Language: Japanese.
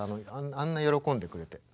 あんな喜んでくれて。